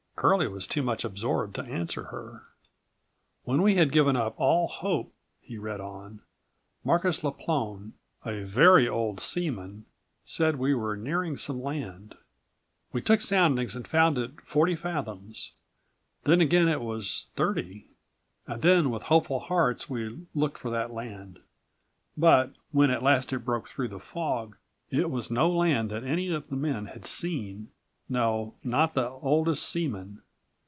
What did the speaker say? Curlie was too much absorbed to answer her. "When we had given up all hope," he read on, "Markus Laplone, a very old seaman, said we were nearing some land. "We took soundings and found it forty fathoms. Then again it was thirty. Then with hopeful hearts we looked for that land. But when at last it broke through the fog it was no land that any of the men had seen, no, not the oldest seaman.